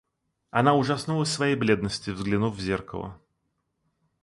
Она ужаснулась своей бледности, взглянув в зеркало.